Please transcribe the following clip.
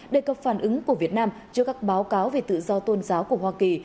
đề cập phản ứng của việt nam trước các báo cáo về tự do tôn giáo của hoa kỳ